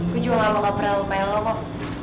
gue juga gak mau kaprel lupain lo kok